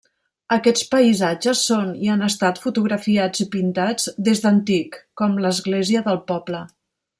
Aquests paisatges són i han estat fotografiats i pintats des d'antic, com l'església del poble.